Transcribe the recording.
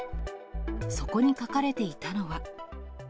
そこに書かれていたのは。